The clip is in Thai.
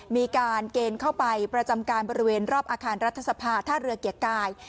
มีการเกณฑ์เข้าไปประจำการบริเวณรอบอาคารรัฐสภาท่าเรือเกียรติกาย